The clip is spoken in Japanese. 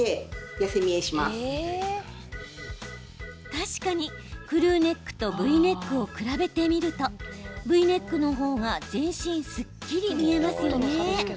確かにクルーネックとＶネックを比べてみるとＶネックの方が全身がすっきり見えますよね。